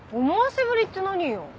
思わせぶりって何よ？